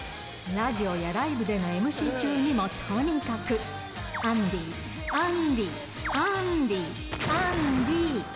ラジオやライブでのＭＣ中にもとにかくアンディー、アンディー、アンディー、アンディー。